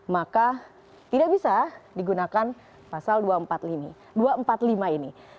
maka tidak bisa digunakan pasal dua ratus empat puluh lima ini